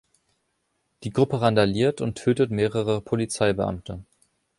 Die Gruppe randaliert und tötet mehrere Polizeibeamte.